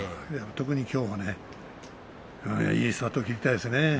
特にきょうはいいスタートを切りたいですね。